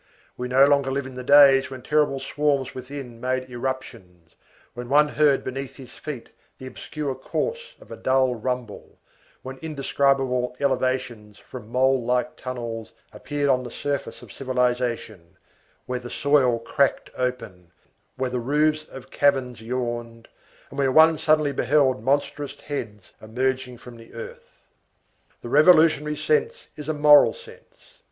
We no longer live in the days when terrible swarms within made irruptions, when one heard beneath his feet the obscure course of a dull rumble, when indescribable elevations from mole like tunnels appeared on the surface of civilization, where the soil cracked open, where the roofs of caverns yawned, and where one suddenly beheld monstrous heads emerging from the earth. The revolutionary sense is a moral sense.